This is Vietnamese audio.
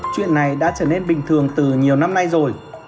chuyện này đã trở nên bình thường từ nhiều năm nay rồi